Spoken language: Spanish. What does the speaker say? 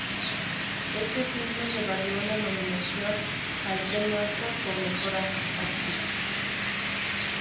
Este filme le valió una nominación al premio Oscar por mejor actriz.